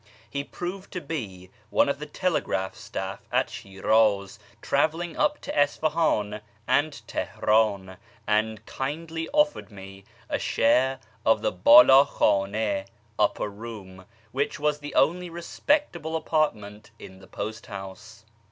He proved to be one of the telegraph staff at Shiraz travelling up to Isfahan and Teheran, and kindly offered me a share of the hdld khdni (upper room), which was the only respectable apartment in the post house.